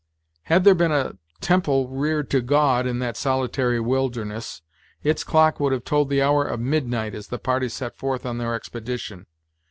Had there been a temple reared to God, in that solitary wilderness, its clock would have told the hour of midnight as the party set forth on their expedition.